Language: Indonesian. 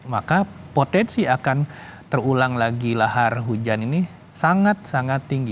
maka potensi akan terulang lagi lahar hujan